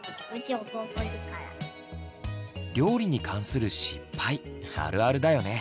料理に関する失敗あるあるだよね。